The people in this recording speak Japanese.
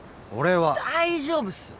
大丈夫っすよ！